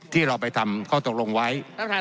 ที่เราไปทำข้อตกลงไว้